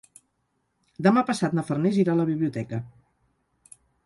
Demà passat na Farners irà a la biblioteca.